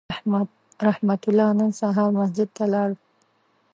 رحمت الله نن سهار مسجد ته لاړ